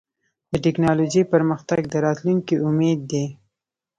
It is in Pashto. د ټکنالوجۍ پرمختګ د راتلونکي امید دی.